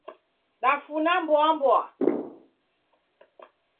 Dafuna mboa mboa